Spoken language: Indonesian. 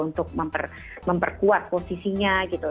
untuk memperkuat posisinya gitu